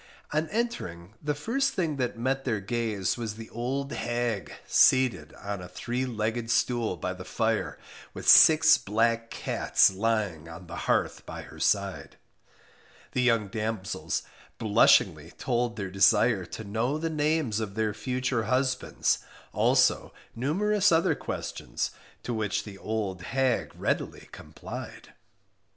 On entering, the first thing that met their gaze was the old hag, seated on a three legged stool by the fire, with six black cats lying on the hearth by her side. The young damsels blushingly told their desire to know the names of their future husbands, also numerous other questions, to which the old hag readily complied.